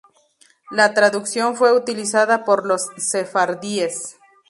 La traducción fue utilizada por los sefardíes.